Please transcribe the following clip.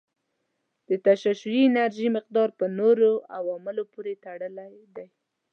د تشعشعي انرژي مقدار په نورو عواملو پورې تړلی دی.